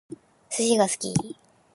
寿司が好き